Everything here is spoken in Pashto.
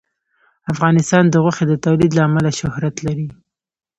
افغانستان د غوښې د تولید له امله شهرت لري.